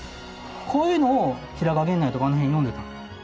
こういうのを平賀源内とかあの辺読んでた。